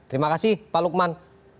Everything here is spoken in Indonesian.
terima kasih pak lukman